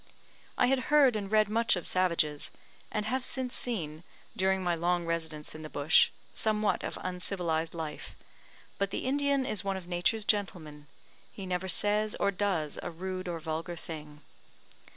I had heard and read much of savages, and have since seen, during my long residence in the bush, somewhat of uncivilised life; but the Indian is one of Nature's gentlemen he never says or does a rude or vulgar thing.